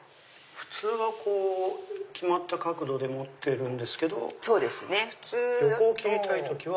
普通は決まった角度で持ってるんですけど横を切りたい時は。